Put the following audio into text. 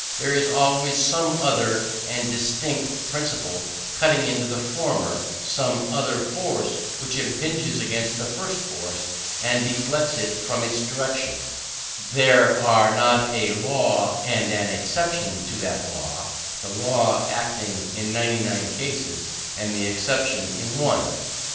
What is thought to be an exception to a principle is always some other and distinct principle cutting into the former: some other force which impinges against the first force, and deflects it from its direction. There are not a law and an exception to that law the law acting in ninety nine cases, and the exception in one.